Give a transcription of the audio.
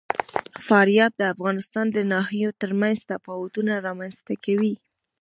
فاریاب د افغانستان د ناحیو ترمنځ تفاوتونه رامنځ ته کوي.